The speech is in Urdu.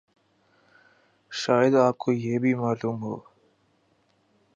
شاید آپ کو یہ بھی معلوم ہو